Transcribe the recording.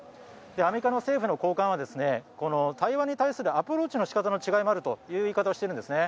アメリカの政府の高官はこの対話に対するアプローチの仕方の違いもあるという言い方をしています。